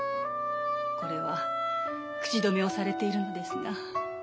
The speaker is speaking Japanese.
これは口止めをされているのですが。